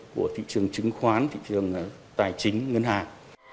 của thị trường chứng khoán thị trường tài chính ngân hàng